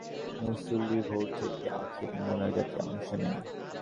দেশের বিভিন্ন স্থানের লক্ষাধিক মুসল্লি ভোর থেকে আখেরি মোনাজাতে অংশ নেন।